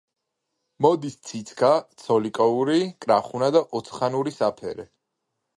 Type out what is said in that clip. მოდის ციცქა, ცოლიკოური, კრახუნა და ოცხანური საფერე.